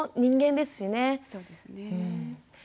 そうですね。